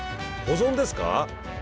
保存ですか？